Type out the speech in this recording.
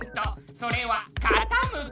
それはかたむき。